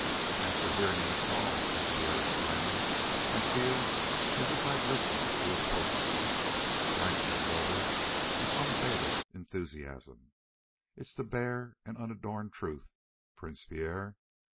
"After hearing that song," said Pierre smiling, "I feel as if I'd listened to a portrait." "Right!" said Wilbur, with unabated enthusiasm. "It's the bare and unadorned truth, Prince Pierre.